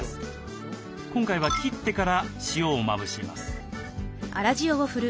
今回は切ってから塩をまぶします。